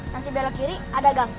nanti belok kiri ada gang